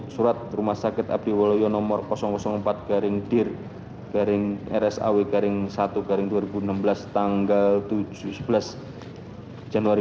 surat rumah sakit abdiwalula nomor empat garing garing rsaw garing satu dua ribu enam belas tanggal sebelas januari dua ribu enam belas